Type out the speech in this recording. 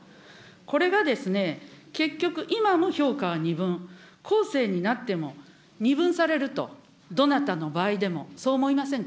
これがですね、結局、今も評価は二分、後世になっても二分されると、どなたの場合でも。